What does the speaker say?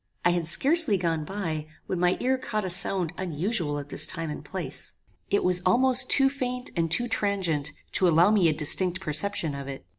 I had scarcely gone by, when my ear caught a sound unusual at this time and place. It was almost too faint and too transient to allow me a distinct perception of it.